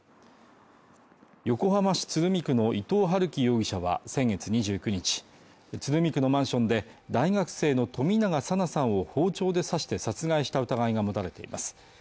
横浜市鶴見区の伊藤龍稀容疑者は先月２９日鶴見区のマンションで、大学生の冨永紗菜さんを包丁で刺して殺害した疑いが持たれています。